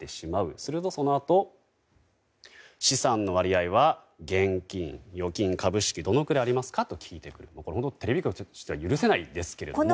すると、そのあと資産の割合は現金、預金、株式どのくらいありますかと聞いたり、テレビ局としては許せないんですけど。